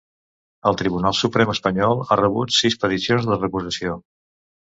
El Tribunal Suprem espanyol ha rebut sis peticions de recusació.